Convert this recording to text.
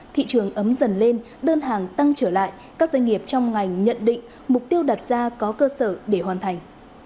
thị trường ấm dần lên đơn hàng tăng trở lại các doanh nghiệp trong ngành nhận định mục tiêu đặt ra có cơ sở để hoàn thành